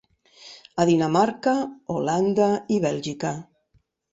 A Dinamarca, Holanda i Bèlgica.